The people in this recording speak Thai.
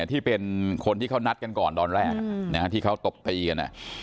ที่เป็นคนที่เขานัดกันก่อนตอนแรกที่เขาตบตีกัน